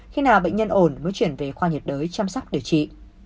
khi nào bệnh nhân ổn mới chuyển về khoa nhiệt đới chăm sóc điều trị